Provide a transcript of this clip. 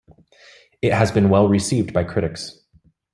It has been well received by critics.